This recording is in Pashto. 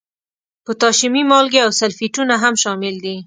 پوتاشیمي مالګې او سلفیټونه هم شامل دي.